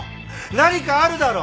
何かあるだろ。